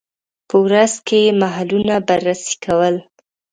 په ورځ کې یې محلونه بررسي کول.